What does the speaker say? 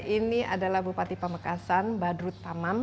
ini adalah bupati pamekasan badrut tamam